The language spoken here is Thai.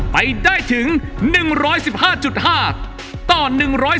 ไปได้ถึง๑๑๕๕ตอน๑๑๑๕